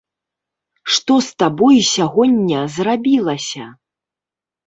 Што з табой сягоння зрабілася?